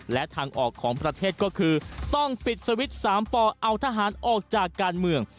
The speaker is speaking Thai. และทางออกของประเทศก็คือต้องปิดสวิตช์๓ปเอาทหารออกจากการเมือง